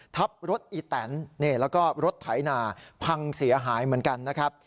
ทับรถอีแตนแล้วก็รถไถนาพังเสียหายเหมือนกันนะครับ